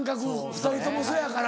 ２人ともそうやから。